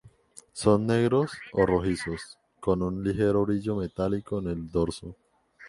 Son negros o rojizos con un ligero brillo metálico en el dorso.